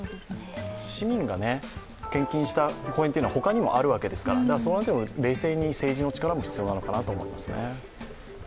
市民が献金した公園というのはほかにもあるわけですからそこは冷静に政治の力も必要なのかなと思います。